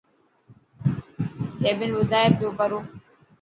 جيبن ٻڌائي پيوڪرو.